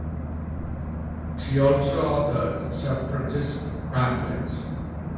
She also authored suffragist pamphlets.